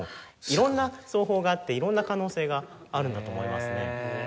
色んな奏法があって色んな可能性があるんだと思いますね。